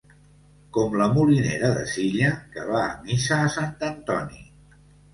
Com la molinera de Silla, que va a missa a Sant Antoni.